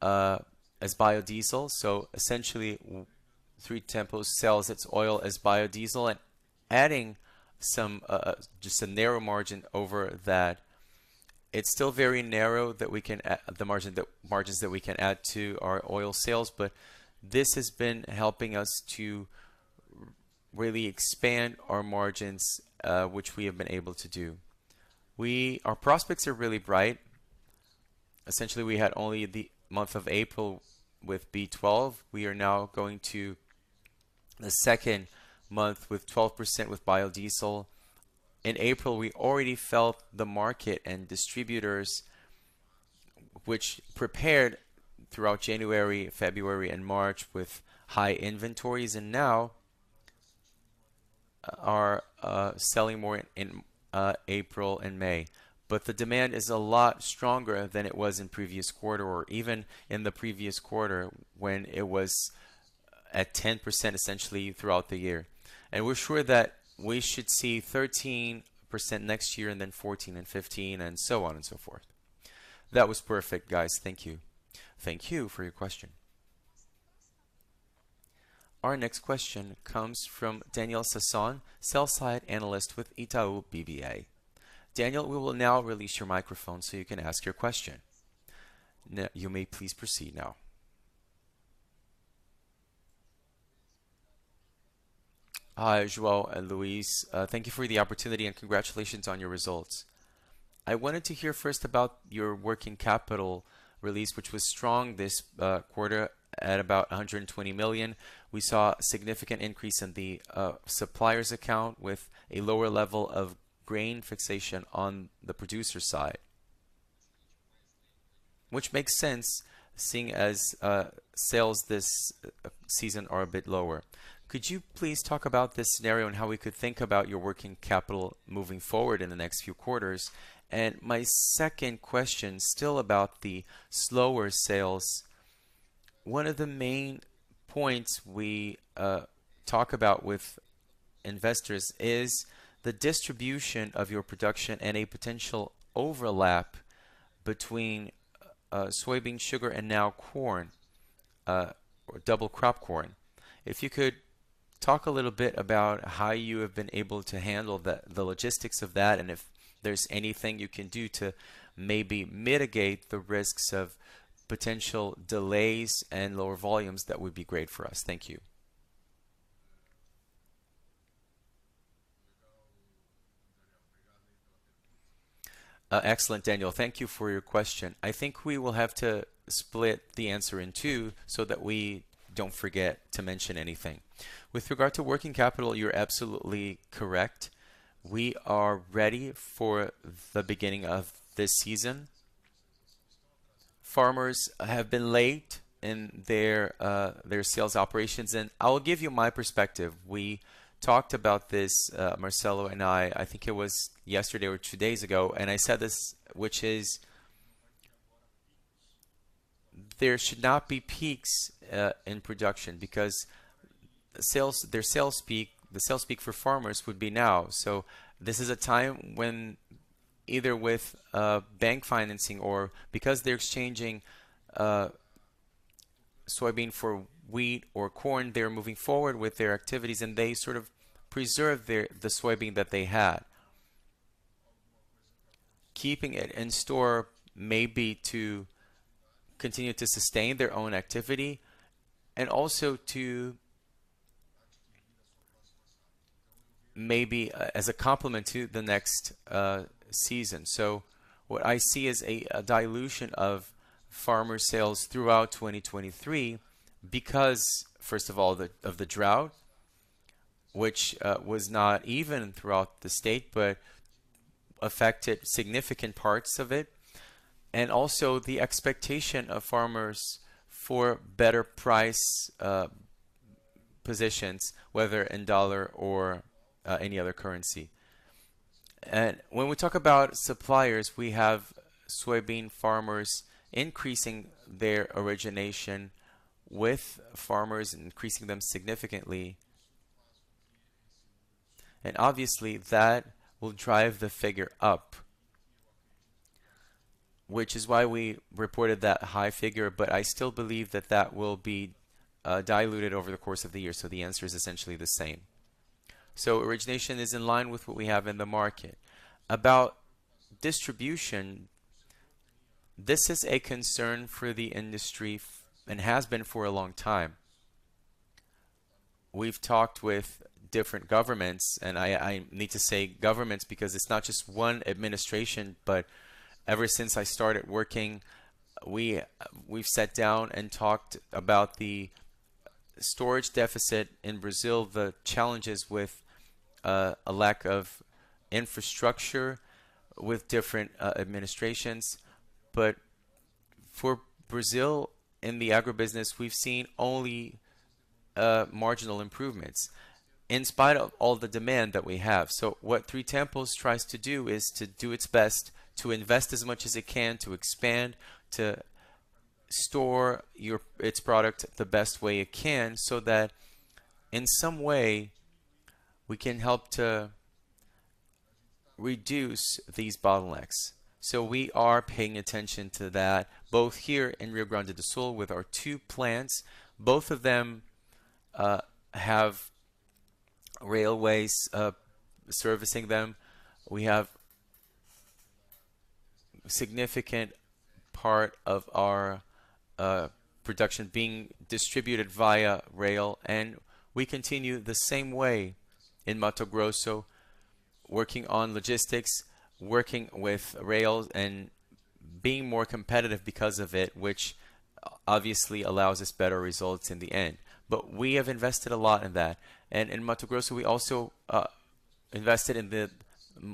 S2: as biodiesel. Essentially, Três Tentos sells its oil as biodiesel and adding some just a narrow margin over that. It's still very narrow that we can add the margins that we can add to our oil sales, but this has been helping us to really expand our margins, which we have been able to do. Our prospects are really bright. Essentially, we had only the month of April with B12. We are now going to the second month with 12% with biodiesel. In April, we already felt the market and distributors, which prepared throughout January, February, and March with high inventories and now are selling more in April and May. The demand is a lot stronger than it was in previous quarter or even in the previous quarter when it was at 10% essentially throughout the year. We're sure that we should see 13% next year and then 14 and 15 and so on and so forth.
S8: That was perfect, guys. Thank you.
S2: Thank you for your question.
S1: Our next question comes from Daniel Sasson, sell-side analyst with Itaú BBA. Daniel, we will now release your microphone so you can ask your question. You may please proceed now.
S9: Hi, João and Luiz. Thank you for the opportunity, and congratulations on your results. I wanted to hear first about your working capital release, which was strong this quarter at about 120 million. We saw a significant increase in the supplier's account with a lower level of grain fixation on the producer side. Which makes sense seeing as sales this season are a bit lower. Could you please talk about this scenario and how we could think about your working capital moving forward in the next few quarters? My second question, still about the slower sales. One of the main points we talk about with investors is the distribution of your production and a potential overlap between soybean, sugar, and now corn, or double crop corn. If you could talk a little bit about how you have been able to handle the logistics of that, and if there's anything you can do to maybe mitigate the risks of potential delays and lower volumes, that would be great for us. Thank you.
S2: Excellent, Daniel. Thank you for your question. I think we will have to split the answer in two so that we don't forget to mention anything. With regard to working capital, you're absolutely correct. We are ready for the beginning of this season. Farmers have been late in their sales operations, and I will give you my perspective. We talked about this, Marcelo and I. I think it was yesterday or two days ago, and I said this, which is there should not be peaks in production because the sales peak for farmers would be now. This is a time when either with bank financing or because they're exchanging soybean for wheat or corn, they're moving forward with their activities, and they sort of preserve their, the soybean that they had. Keeping it in store maybe to continue to sustain their own activity and also to maybe as a complement to the next season. What I see is a dilution of farmer sales throughout 2023 because, first of all, of the drought, which was not even throughout the state, but affected significant parts of it, and also the expectation of farmers for better price positions, whether in dollar or any other currency. When we talk about suppliers, we have soybean farmers increasing their origination with farmers and increasing them significantly. Obviously, that will drive the figure up, which is why we reported that high figure, but I still believe that that will be diluted over the course of the year. The answer is essentially the same. Origination is in line with what we have in the market. About distribution, this is a concern for the industry and has been for a long time. We've talked with different governments, I need to say governments because it's not just one administration, but ever since I started working, we've sat down and talked about the storage deficit in Brazil, the challenges with a lack of infrastructure with different administrations. For Brazil in the agribusiness, we've seen only marginal improvements in spite of all the demand that we have. What Três Tentos tries to do is to do its best to invest as much as it can, to expand, to store its product the best way it can, so that in some way, we can help to reduce these bottlenecks. We are paying attention to that, both here in Rio Grande do Sul with our two plants. Both of them have railways servicing them. We have significant part of our production being distributed via rail, we continue the same way in Mato Grosso, working on logistics, working with rails and being more competitive because of it, which obviously allows us better results in the end. We have invested a lot in that. In Mato Grosso, we also invested in the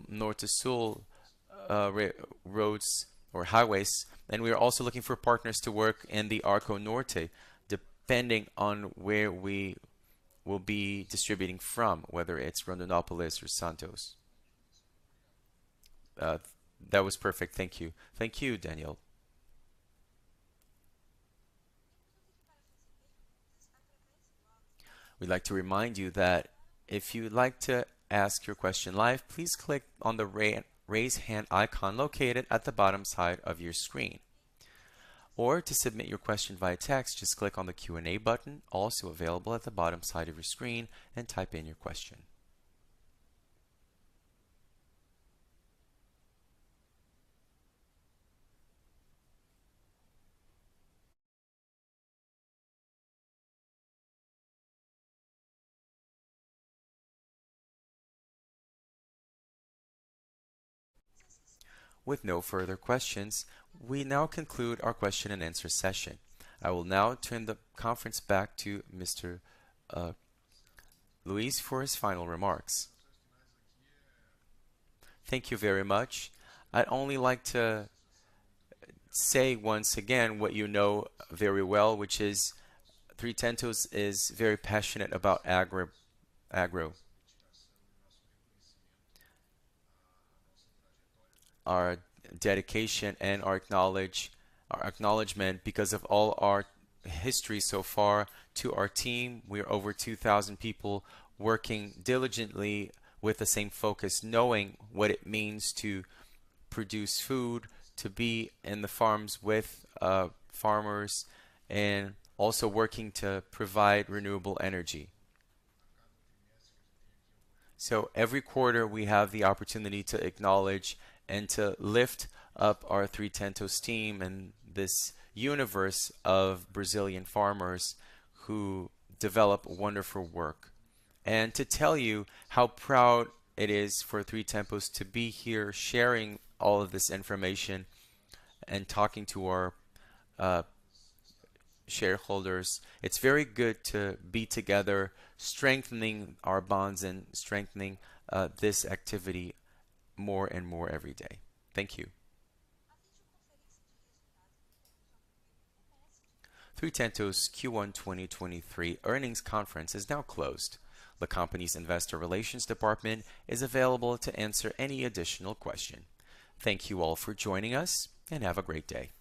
S2: Norte-Sul roads or highways. We are also looking for partners to work in the Arco Norte, depending on where we will be distributing from, whether it's Rondonópolis or Santos.
S9: That was perfect. Thank you.
S2: Thank you, Daniel.
S1: We'd like to remind you that if you would like to ask your question live, please click on the raise hand icon located at the bottom side of your screen. To submit your question via text, just click on the Q&A button also available at the bottom side of your screen and type in your question. With no further questions, we now conclude our question-and-answer session. I will now turn the conference back to Mr. Luis for his final remarks.
S2: Thank you very much. I'd only like to say once again what you know very well, which is Três Tentos is very passionate about agri-agro. Our dedication and our acknowledgement, because of all our history so far to our team. We are over 2,000 people working diligently with the same focus, knowing what it means to produce food, to be in the farms with farmers, and also working to provide renewable energy. Every quarter, we have the opportunity to acknowledge and to lift up our Três Tentos team and this universe of Brazilian farmers who develop wonderful work. To tell you how proud it is for Três Tentos to be here sharing all of this information and talking to our shareholders. It's very good to be together, strengthening our bonds and strengthening this activity more and more every day. Thank you.
S1: Três Tentos' Q1 2023 earnings conference is now closed. The company's investor relations department is available to answer any additional question. Thank you all for joining us, and have a great day.